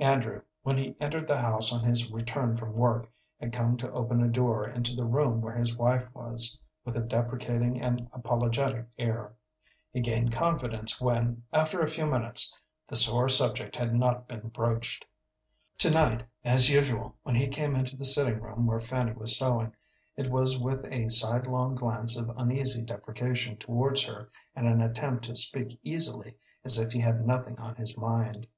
Andrew, when he entered the house on his return from work, had come to open a door into the room where his wife was, with a deprecating and apologetic air. He gained confidence when, after a few minutes, the sore subject had not been broached. To night, as usual, when he came into the sitting room where Fanny was sewing it was with a sidelong glance of uneasy deprecation towards her, and an attempt to speak easily, as if he had nothing on his mind.